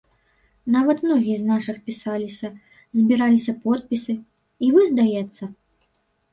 Нават многія з нашых пісаліся, збіраліся подпісы, і вы, здаецца?